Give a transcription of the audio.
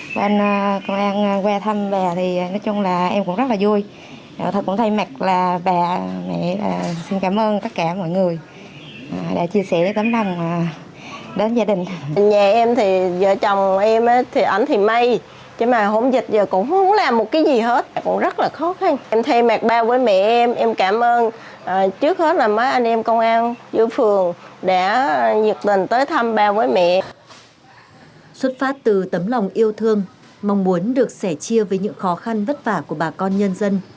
xuất phát từ tấm lòng yêu thương mong muốn được sẻ chia với những khó khăn vất vả của bà con nhân dân